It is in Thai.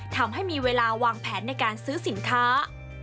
ทำให้มีเวลาวางแผนในการซื้อสินค้า